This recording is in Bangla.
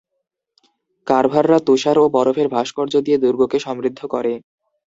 কার্ভাররা তুষার ও বরফের ভাস্কর্য দিয়ে দুর্গকে সমৃদ্ধ করে।